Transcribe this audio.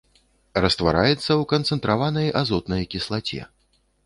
Раствараецца ў канцэнтраванай азотнай кіслаце.